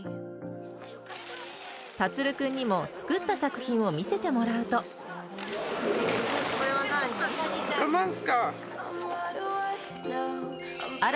樹君にも作った作品を見せてもらこれは何？